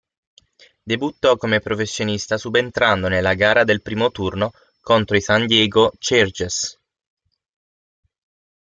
Debuttò come professionista subentrando nella gara del primo turno contro i San Diego Chargers.